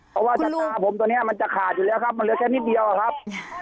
เพราะว่าชะตาผมตัวนี้มันจะขาดอยู่แล้วครับมันเหลือแค่นิดเดียวครับ